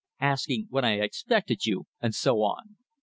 Asking when I expected you, and so on.